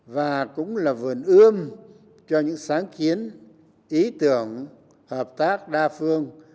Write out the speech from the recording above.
và cũng là vườn ươm cho những sáng kiến ý tưởng hợp tác đa phương